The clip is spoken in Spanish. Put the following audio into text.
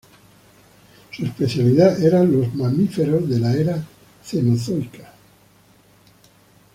Su especialidad eran los mamíferos de la Era Cenozoica.